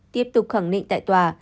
tiếp tục khẳng định tại tòa